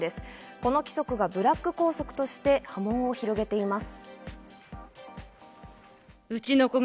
この規則がブラック校則として波紋を広げています。